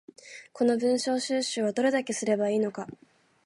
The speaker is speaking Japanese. この文章収集はどれだけすれば良いのか